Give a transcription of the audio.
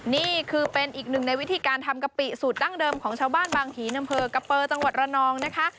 นี่คือเป็นอีกหนึ่งในวิธีการทำกะปิสูตรดั้งเดิมของชาวบ้านบางหินอำเภอกะเปอร์จังหวัดระนองนะคะ